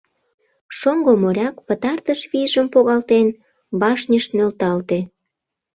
Шоҥго моряк, пытартыш вийжым погалтен, башньыш нӧлталте.